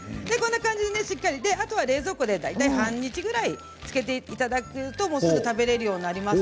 あとは冷蔵庫で半日ぐらい漬けていただくとすぐ食べられるようになります。